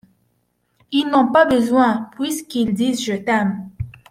Ils n’en ont pas besoin puisqu’ils disent : je t’aime !